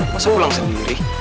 masa pulang sendiri